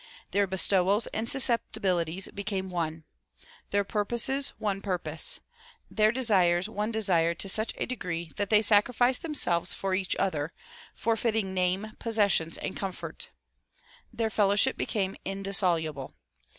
Their bestowals and susceptibilities became one ; their purposes one purpose ; their desires one desire to such a degree that they sacrificed themselves for each other, forfeiting name, possessions and comfort. Their fellowship became indis soluble.